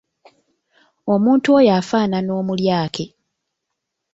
Omuntu oyo afaanana omulyake.